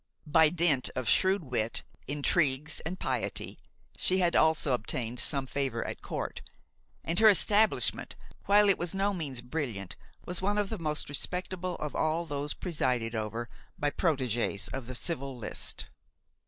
By dint of shrewd wit, intrigues and piety she had also obtained some favor at Court, and her establishment, while it was no means brilliant, was one of the most respectable of all those presided over by protégés of the Civil List.